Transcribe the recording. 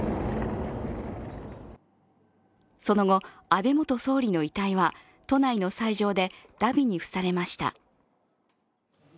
その後、安倍元総理の遺体は都内の斎場で、だびに付されました